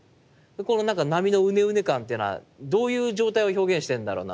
この波のウネウネ感っていうのはどういう状態を表現してるんだろうなとか。